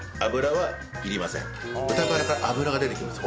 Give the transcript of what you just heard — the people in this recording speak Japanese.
豚バラから脂が出てきます。